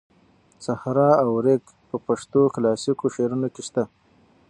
صحرا او ریګ په پښتو کلاسیکو شعرونو کې شته.